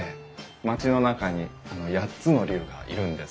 町の中に８つの竜がいるんです。